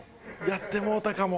やってもうたかも。